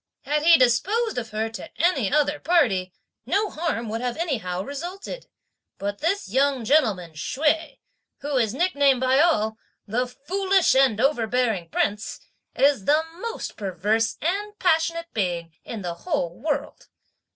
Had he disposed of her to any other party, no harm would anyhow have resulted; but this young gentleman Hsüeh, who is nicknamed by all, 'the Foolish and overbearing Prince,' is the most perverse and passionate being in the whole world.